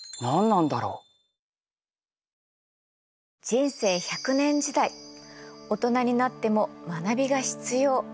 人生１００年時代大人になっても学びが必要。